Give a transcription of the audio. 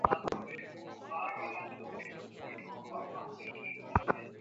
উভয় পক্ষে ভারি যুদ্ধ বাধিয়া উঠিল।